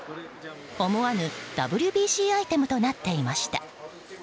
思わぬＷＢＣアイテムとなっていました。